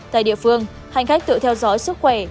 tại địa phương hành khách tự theo dõi sức khỏe